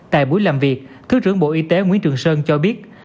tại buổi làm việc thứ trưởng bộ y tế nguyễn trường sơn cho biết